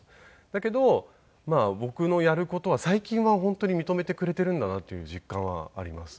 だけど僕のやる事は最近は本当に認めてくれているんだなっていう実感はあります。